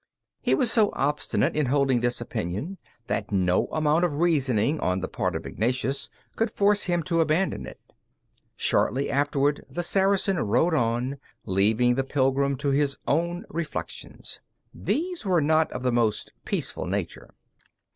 He was so obstinate in holding this opinion, that no amount of reasoning on the part of Ignatius could force him to abandon it. Shortly afterward the Saracen rode on, leaving the pilgrim to his own reflections. These were not of the most peaceful nature.